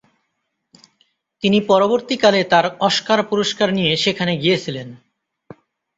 তিনি পরবর্তী কালে তার অস্কার পুরস্কার নিয়ে সেখানে গিয়েছিলেন।